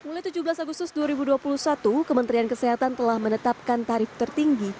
mulai tujuh belas agustus dua ribu dua puluh satu kementerian kesehatan telah menetapkan tarif tertinggi